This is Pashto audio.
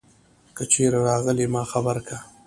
که چیری راغلي ما خبر که